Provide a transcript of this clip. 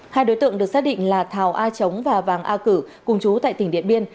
hai đối tượng được xác định là thảo a chống và vàng a cử cùng chú tại tỉnh điện biên